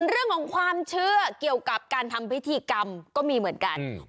เรื่องของความเชื่อเกี่ยวกับการทำพิธีกรรมก็มีเหมือนกัน